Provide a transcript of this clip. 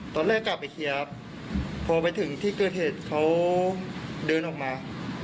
ตอนแรกกลับไปเคียบพอไปถึงที่เกิดเหตุเขาเดินออกมา